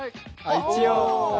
一応。